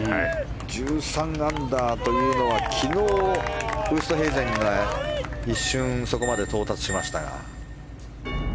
１３アンダーというのは昨日、ウーストヘイゼンが一瞬そこまで到達しましたが。